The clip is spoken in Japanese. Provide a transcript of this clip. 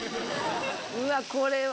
うわこれは。